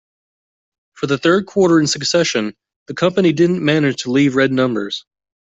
For the third quarter in succession, the company didn't manage to leave red numbers.